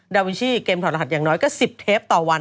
ดาวิชี่เกมถอดรหัสอย่างน้อยก็๑๐เทปต่อวัน